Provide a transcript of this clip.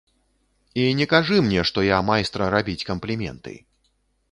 І не кажы мне, што я майстра рабіць кампліменты.